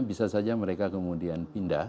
bisa saja mereka kemudian pindah